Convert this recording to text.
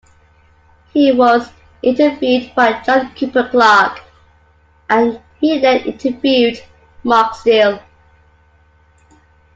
He was interviewed by John Cooper Clarke and he then interviewed Mark Steel.